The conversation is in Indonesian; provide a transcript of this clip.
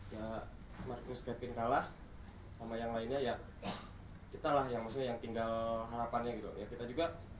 ya marcus kepin kalah sama yang lainnya ya kita lah yang tinggal harapannya gitu ya kita juga gak maulah